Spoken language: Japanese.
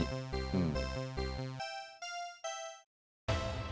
うん。